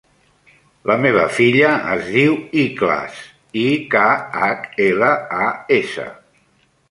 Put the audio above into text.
La meva filla es diu Ikhlas: i, ca, hac, ela, a, essa.